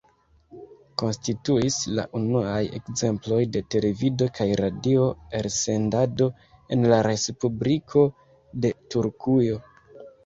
Konstituis la unuaj ekzemploj de televido kaj radio elsendado en la Respubliko de Turkujo.